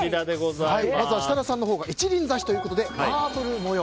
設楽さんのほうが一輪挿しということでマーブル模様。